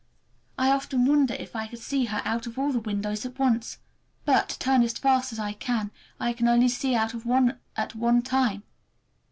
I often wonder if I could see her out of all the windows at once. But, turn as fast as I can, I can only see out of one at one time.